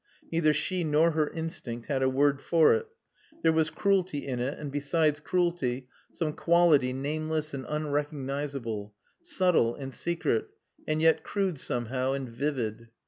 Neither she nor her instinct had a word for it. There was cruelty in it, and, besides cruelty, some quality nameless and unrecognisable, subtle and secret, and yet crude somehow and vivid.